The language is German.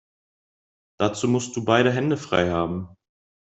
Dazu musst du beide Hände frei haben.